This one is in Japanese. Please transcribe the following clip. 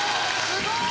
すごい！